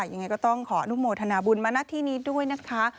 ยังไงก็ต้องขออนุโมทนาบุญมาณที่นี้ด้วยนะคะ